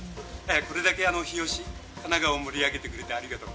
これだけ日吉、神奈川を盛り上げてくれてありがとう。